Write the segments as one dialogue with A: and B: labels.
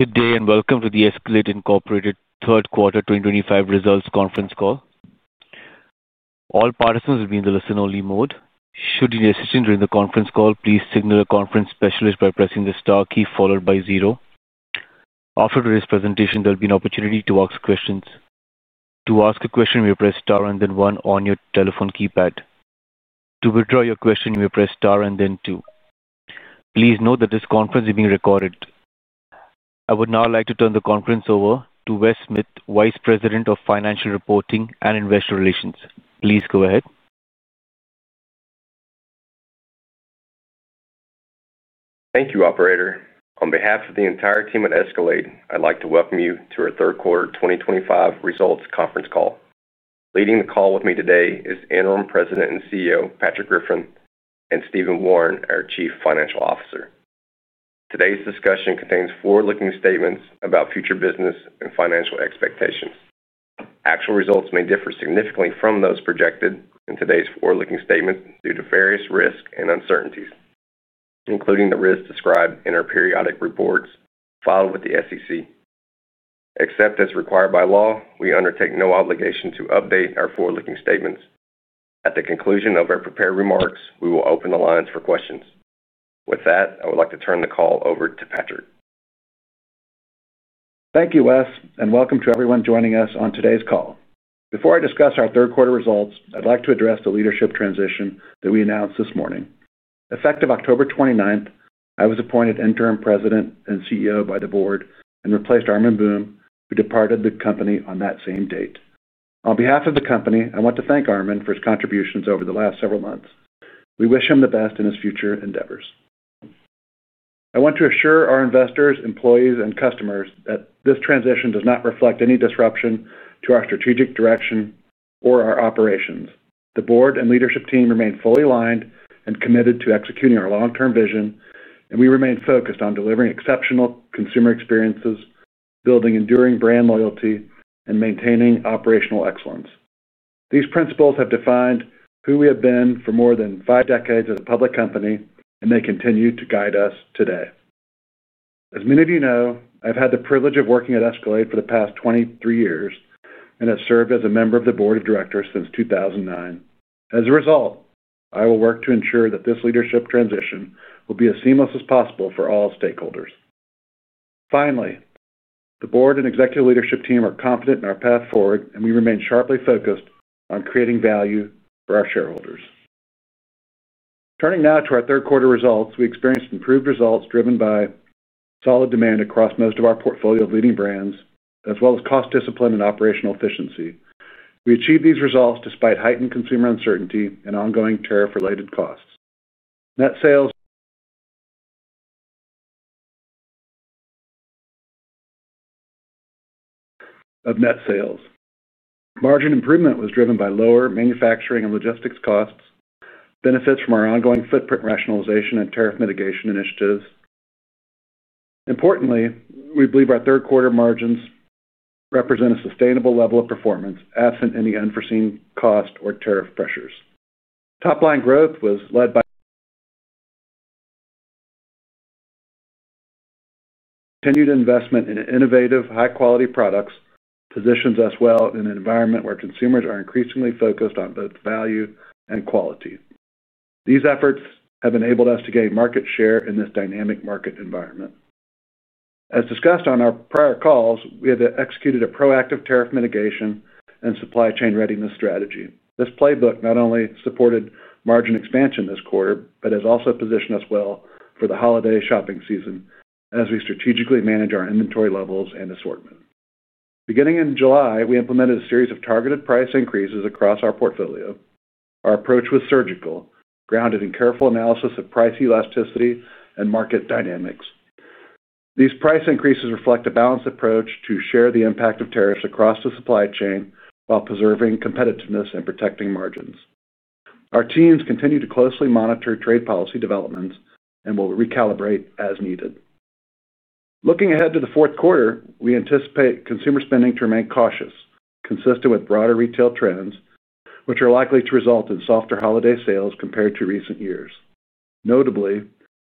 A: Good day and welcome to the Escalade, Inc. third quarter 2025 results conference call. All participants will be in the listen-only mode. Should you need assistance during the conference call, please signal a conference specialist by pressing the star key followed by zero. After today's presentation, there will be an opportunity to ask questions. To ask a question, you press star and then one on your telephone keypad. To withdraw your question, you may press star and then two. Please note that this conference is being recorded. I would now like to turn the conference over to Wes Smith, Vice President of Financial Reporting and Investor Relations. Please go ahead.
B: Thank you, operator. On behalf of the entire team at Escalade, I'd like to welcome you to our third quarter 2025 results conference call. Leading the call with me today is Interim President and CEO Patrick Griffin and Stephen Wawrin, our Chief Financial Officer. Today's discussion contains forward-looking statements about future business and financial expectations. Actual results may differ significantly from those projected in today's forward-looking statements due to various risks and uncertainties, including the risks described in our periodic reports filed with the SEC. Except as required by law, we undertake no obligation to update our forward-looking statements. At the conclusion of our prepared remarks, we will open the lines for questions. With that, I would like to turn the call over to Patrick.
C: Thank you, Wes, and welcome to everyone joining us on today's call. Before I discuss our third quarter results, I'd like to address the leadership transition that we announced this morning. Effective October 29, I was appointed Interim President and CEO by the Board and replaced Armin Boehm who departed the company on that same date. On behalf of the company, I want to thank Armin for his contributions over the last several months. We wish him the best in his future endeavors. I want to assure our investors, employees, and customers that this transition does not reflect any disruption to our strategic direction or our operations. The Board and leadership team remain fully aligned and committed to executing our long-term vision, and we remain focused on delivering exceptional consumer experiences, building enduring brand loyalty, and maintaining operational excellence. These principles have defined who we have been for more than five decades as a public company, and they continue to guide us today. As many of you know, I've had the privilege of working at Escalade for the past 23 years and have served as a member of the Board of Directors since 2009. As a result, I will work to ensure that this leadership transition will be as seamless as possible for all stakeholders. Finally, the Board and executive leadership team are confident in our path forward, and we remain sharply focused on creating value for our shareholders. Turning now to our third quarter results, we experienced improved results driven by solid demand across most of our portfolio of leading brands as well as cost discipline and operational efficiency. We achieved these results despite heightened consumer uncertainty and ongoing tariff-related costs. Net sales. Net sales margin improvement was driven by lower manufacturing and logistics costs, benefits from our ongoing footprint rationalization and tariff mitigation initiatives. Importantly, we believe our third quarter margins represent a sustainable level of performance absent any unforeseen cost or tariff pressures. Top line growth was led by continued investment in innovative high quality products, which positions us well in an environment where consumers are increasingly focused on both value and quality. These efforts have enabled us to gain market share in this dynamic market environment. As discussed on our prior calls, we have executed a proactive tariff mitigation and supply chain readiness strategy. This playbook not only supported margin expansion this quarter but has also positioned us well for the holiday shopping season as we strategically manage our inventory levels and assortment. Beginning in July, we implemented a series of targeted price increases across our portfolio. Our approach was surgical, grounded in careful analysis of price elasticity and market dynamics. These price increases reflect a balanced approach to share the impact of tariffs across the supply chain while preserving competitiveness and protecting margins. Our teams continue to closely monitor trade policy developments and will recalibrate as needed. Looking ahead to the fourth quarter, we anticipate consumer spending to remain cautious, consistent with broader retail trends, which are likely to result in softer holiday sales compared to recent years. Notably,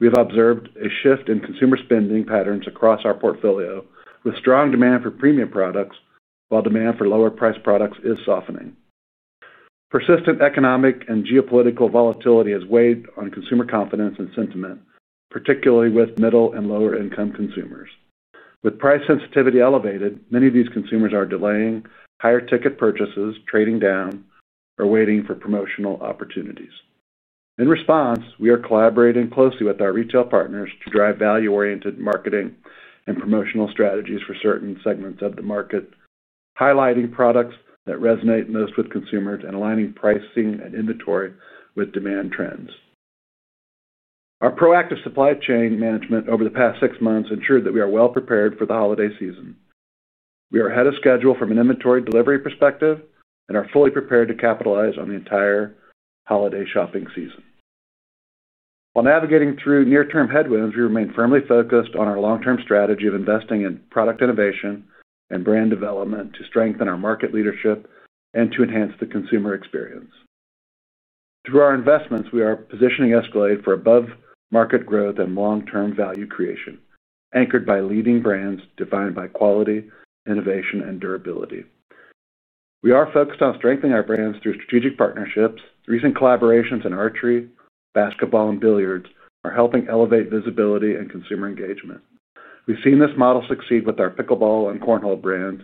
C: we have observed a shift in consumer spending patterns across our portfolio, with strong demand for premium products while demand for lower priced products is softening. Persistent economic and geopolitical volatility has weighed on consumer confidence and sentiment, particularly with middle and lower income consumers. With price sensitivity elevated, many of these consumers are delaying higher ticket purchases, trading down, or waiting for promotional opportunities. In response, we are collaborating closely with our retail partners to drive value oriented marketing and promotional strategies for certain segments of the market, highlighting products that resonate most with consumers and aligning pricing and inventory with demand trends. Our proactive supply chain management over the past six months ensured that we are well prepared for the holiday season. We are ahead of schedule from an inventory delivery perspective and are fully prepared to capitalize on the entire holiday shopping season. While navigating through near term headwinds, we remain firmly focused on our long term strategy of investing in product innovation and brand development to strengthen our market leadership and to enhance the consumer experience. Through our investments, we are positioning Escalade for above market growth and long term value creation anchored by leading brands defined by quality, innovation, and durability. We are focused on strengthening our brands through strategic partnerships. Recent collaborations in archery, basketball, and billiards are helping elevate visibility and consumer engagement. We've seen this model succeed with our Pickleball and Cornhole brand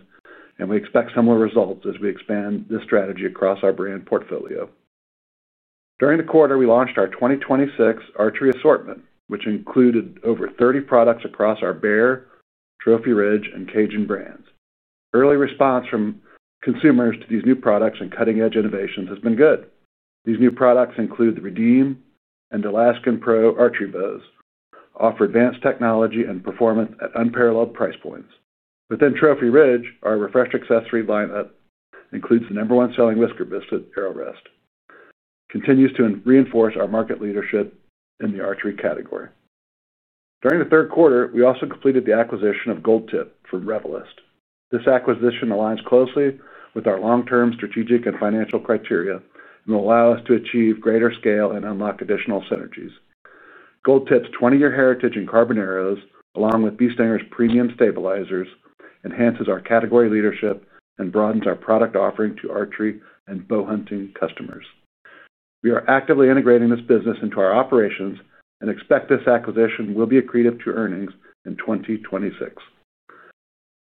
C: and we expect similar results as we expand this strategy across our brand portfolio. During the quarter, we launched our 2026 archery assortment, which included over 30 products across our Bear Archery, Trophy Ridge, and Cajun Bowfishing brands. Early response from consumers to these new products and cutting edge innovations has been good. These new products include the Redeem and Alaskan Pro Archery bows offer advanced technology and performance at unparalleled price points. Within Trophy Ridge, our refreshed accessory lineup includes the number one selling Whisker Biscuit Arrow Rest, which continues to reinforce our market leadership in the archery category. During the third quarter, we also completed the acquisition of Gold Tip from Revelyst. This acquisition aligns closely with our long term strategic and financial criteria and will allow us to achieve greater scale and unlock additional synergies. Gold Tip's 20 year heritage in carbon arrows, along with Bee Stinger's premium stabilizers, enhances our category leadership and broadens our product offering to archery and bow hunting customers. We are actively integrating this business into our operations and expect this acquisition will be accretive to earnings in 2026.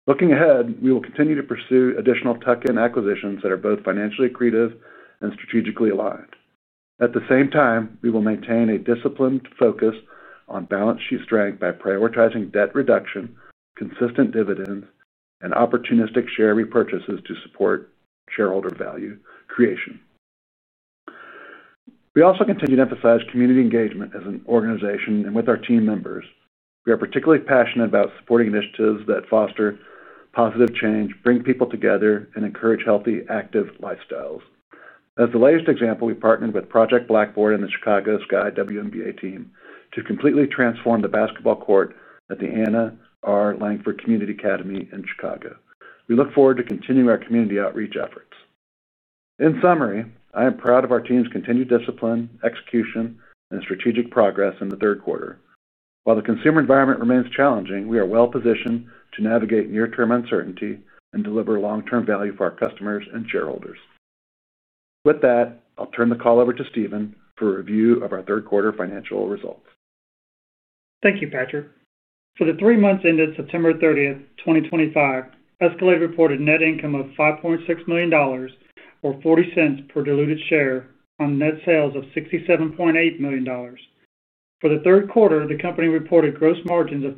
C: Looking ahead, we will continue to pursue additional tuck in acquisitions that are both financially accretive and strategically aligned. At the same time, we will maintain a disciplined focus on balance sheet strength by prioritizing debt reduction, consistent dividends, and opportunistic share repurchases to support shareholder value creation. We also continue to emphasize community engagement. As an organization and with our team members, we are particularly passionate about supporting initiatives that foster positive change, bring people together, and encourage healthy, active lifestyles. As the latest example, we partnered with Project Blackboard and the Chicago Sky WNBA team to completely transform the basketball court at the Anna R. Langford Community Academy in Chicago. We look forward to continuing our community outreach efforts. In summary, I am proud of our team's continued discipline, execution, and strategic progress in the third quarter. While the consumer environment remains challenging, we are well positioned to navigate near term uncertainty and deliver long term value for our customers and shareholders. With that, I'll turn the call over to Stephen for a review of our third quarter financial results.
D: Thank you, Patrick. For the three months ended September 30, 2025, Escalade reported net income of $5.6 million or $0.40 per diluted share on net sales of $67.8 million. For the third quarter, the company reported gross margins of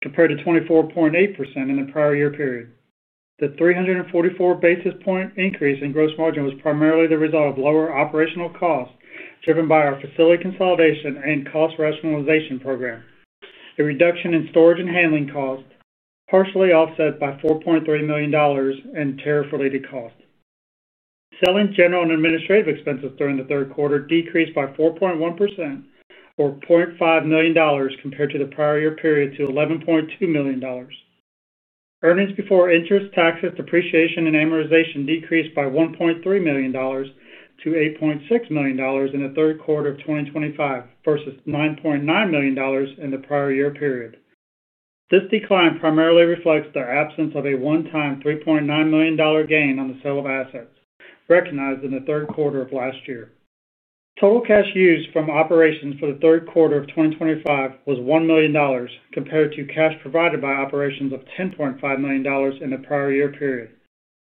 D: 28.1% compared to 24.8% in the prior year period. The 344 basis point increase in gross margin was primarily the result of lower operational costs driven by our facility consolidation and cost reduction program. A reduction in storage and handling cost was partially offset by $4.3 million in tariff related costs. Selling, general, and administrative expenses during the third quarter decreased by 4.1% or $0.5 million compared to the prior year period to $11.2 million. Earnings before interest, taxes, depreciation, and amortization decreased by $1.3 million to $8.6 million in the third quarter of 2025 versus $9.9 million in the prior year period. This decline primarily reflects the absence of a one-time $3.9 million gain on the sale of assets recognized in the third quarter of last year. Total cash used from operations for the third quarter of 2025 was $1 million compared to cash provided by operations of $10.5 million in the prior year period.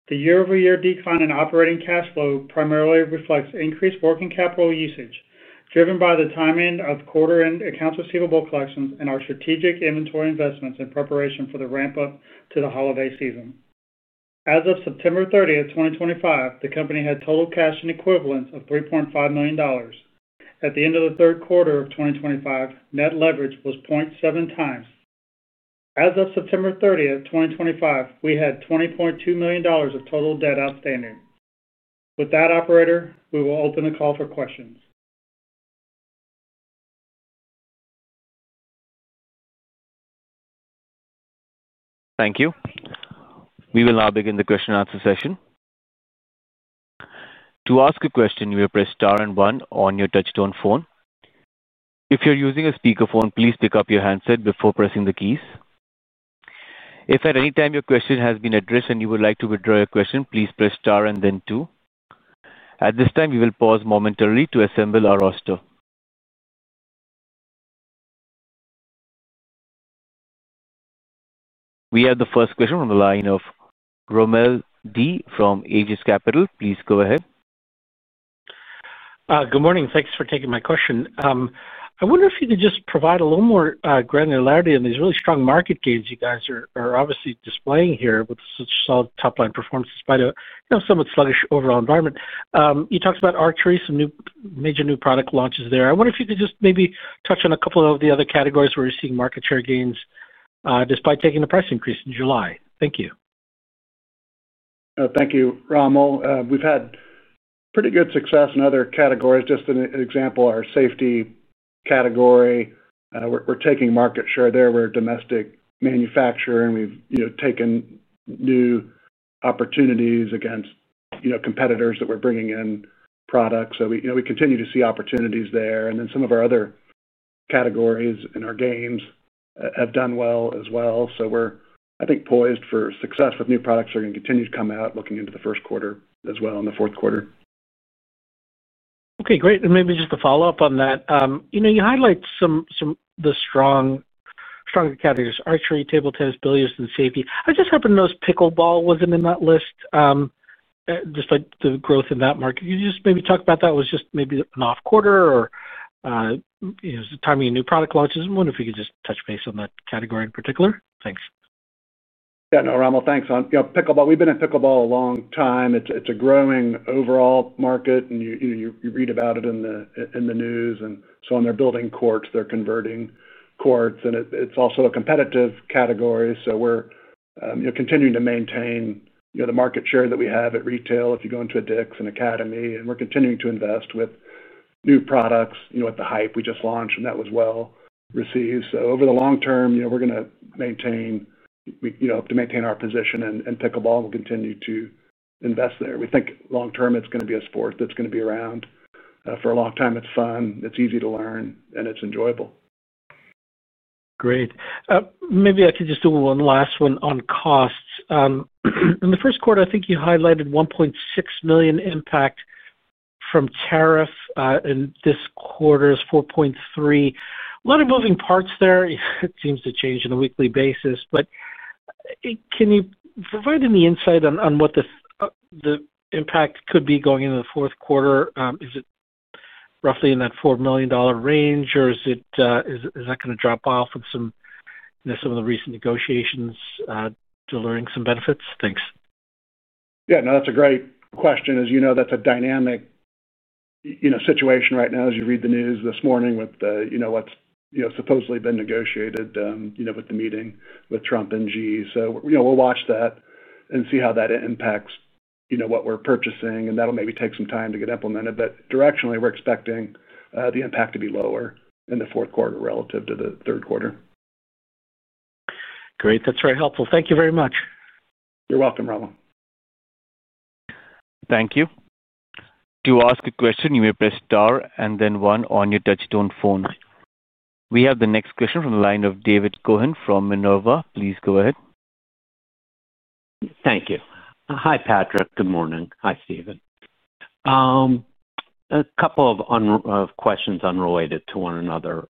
D: The year-over-year decline in operating cash flow primarily reflects increased working capital usage driven by the timing of quarter-end accounts receivable collections and our strategic inventory investments in preparation for the ramp up to the holiday season. As of September 30, 2025, the company had total cash and equivalents of $3.5 million. At the end of the third quarter of 2025, net leverage was 0.7x. As of September 30, 2025, we had $20.2 million of total debt outstanding. With that, operator, we will open the call for questions.
A: Thank you. We will now begin the question and answer session. To ask a question, you will press Star and one on your touchtone phone. If you're using a speakerphone, please pick up your handset before pressing the keys. If at any time your question has been addressed and you would like to withdraw your question, please press Star and then two. At this time, we will pause momentarily to assemble our roster. We have the first question from the line of Rommel Dionisio from Aegis Capital. Please go ahead.
E: Good morning. Thanks for taking my question. I wonder if you could just provide a little more granularity on these really strong market gains you guys are obviously displaying here with such solid top line performance despite a somewhat sluggish overall environment. You talked about archery, some new major new product launches there. I wonder if you could just maybe touch on a couple of the other categories where you're seeing market share gains despite taking the price increase in July. Thank you.
C: Thank you, Rommel. We've had pretty good success in other categories. Just an example, our safety category. We're taking market share there. We're a domestic manufacturer, and we've taken new opportunities against competitors that are bringing in products. We continue to see opportunities there. Some of our other categories in our games have done well as well. I think we're poised for success with new products that are going to continue to come out looking into the first quarter as well as in the fourth quarter.
E: Okay, great. Maybe just a follow up on that. You highlight some of the strong, stronger categories, archery, table tennis, billiards, and safety. I just happen to notice pickleball wasn't in that list, just like the growth in that market. Could you just maybe talk about that, was that just maybe an off quarter or is it timing of new product launches? I wonder if you could just touch base on that category in particular. Thanks.
C: Yeah, no, Rommel, thanks. On Pickleball. We've been at Pickleball a long time. It's a growing overall market and you read about it in the news and so on. They're building courts, they're converting courts and it's also a competitive category. We're continuing to maintain the market share that we have at retail. If you go into a Dick's, an Academy, we're continuing to invest with new products. At the Hype we just launched and that was well received. Over the long term we're going to maintain our position and Pickleball will continue to invest there. We think long term it's going to be a sport that's going to be around for a long time. It's fun, it's easy to learn and it's enjoyable.
E: Great. Maybe I could just do one last one on costs in the first quarter. I think you highlighted a $1.6 million impact from tariff in this quarter's $4.3 million. A lot of moving parts there. It seems to change on a weekly basis. Can you provide any insight on what the impact could be going into the fourth quarter? Is it roughly in that $4 million range or is that going to drop off from some of the recent negotiations, delivering some benefits?
C: Thanks. Yeah, no, that's a great question. As you know, that's a dynamic situation right now, as you read the news this morning, with what's supposedly been negotiated with the meeting with Trump and Xi. We will watch that and see how that impacts what we're purchasing. That will maybe take some time to get implemented, but directionally, we're expecting the impact to be lower in the fourth quarter relative to the third quarter. Great.
E: That's very helpful. Thank you very much.
C: You're welcome, Rommel.
A: Thank you. To ask a question, you may press star and then one on your Touchstone phone. We have the next question from the line of David Cohen from Minerva. Please go ahead.
F: Thank you. Hi, Patrick. Good morning.
C: Hi, Steven.
F: A couple of questions unrelated to one another.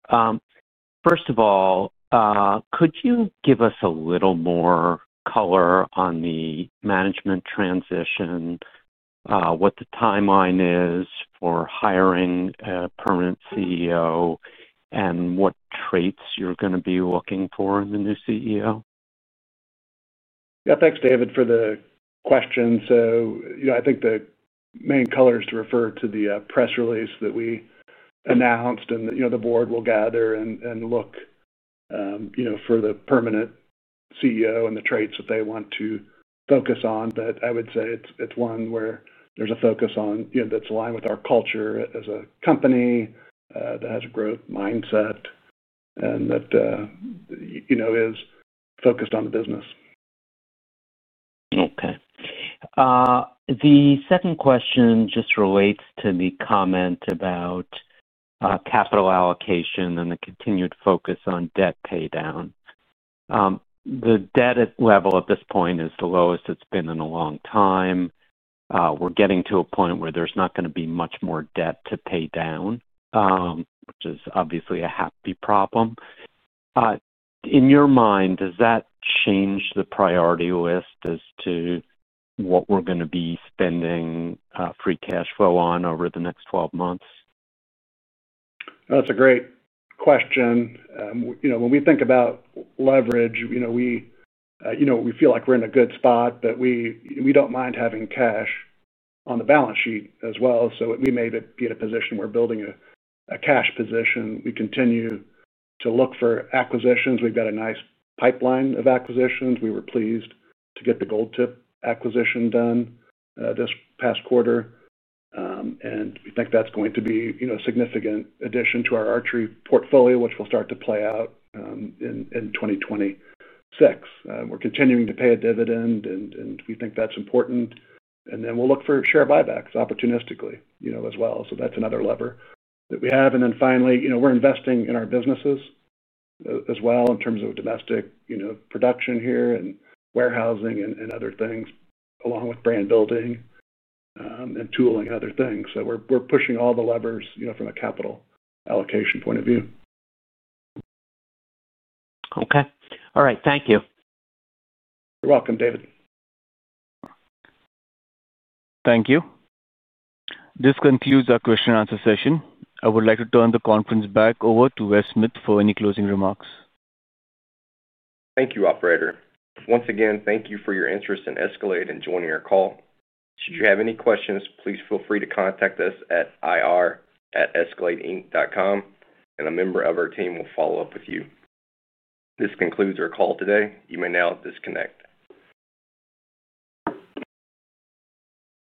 F: First of all, could you give us a little more color on the management transition, what the timeline is for hiring a permanent CEO, and what traits you're going to be looking for in the new CEO?
C: Yeah, thanks, David, for the question. I think the main color is to refer to the press release that we announced. The board will gather and look for the permanent CEO and the traits that they want to focus on. I would say it's one where there's a focus that's aligned with our culture as a company that has a growth mindset and that is focused on the business.
F: Okay. The second question just relates to the comment about capital allocation and the continued focus on debt pay down. The debt level at this point is the lowest it's been in a long time. We're getting to a point where there's not going to be much more debt to pay down, which is obviously a happy problem in your mind. Does that change the priority list as to what we're going to be spending free cash flow on over the next 12 months?
C: That's a great question. When we think about leverage, we feel like we're in a good spot, but we don't mind having cash on the balance sheet as well. We may be in a position, we're building a cash position. We continue to look for acquisitions. We've got a nice pipeline of acquisitions. We were pleased to get the Gold Tip acquisition done this past quarter, and we think that's going to be a significant addition to our archery portfolio, which will start to play out in 2026. We're continuing to pay a dividend, and we think that's important. We'll look for share buybacks opportunistically as well. That's another lever that we have. Finally, we're investing in our businesses as well in terms of domestic production here and warehousing and other things, along with brand building and tooling and other things. We're pushing all the levers from a capital allocation point of view.
F: Okay. All right. Thank you.
C: You're welcome, David.
A: Thank you. This concludes our question and answer session. I would like to turn the conference back over to Wes Smith for any closing remarks.
B: Thank you, operator. Once again, thank you for your interest in Escalade and joining our call. Should you have any questions, please feel free to contact us at ir@escaladeinc.com and a member of our team will follow up with you. This concludes our call today. You may now disconnect.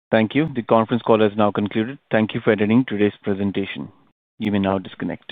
A: Thank you. The conference call has now concluded. Thank you for attending today's presentation. You may now disconnect.